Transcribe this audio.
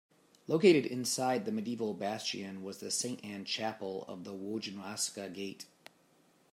Located inside the medieval bastion was the Saint Anne Chapel of the Wojanowska gate.